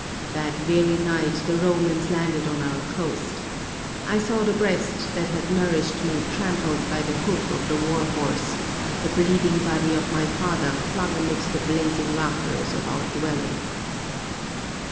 That very night the Romans landed on our coast. I saw the breast that had nourished me trampled by the hoof of the warhorse, the bleeding body of my father flung amid the blazing rafters of our dwelling.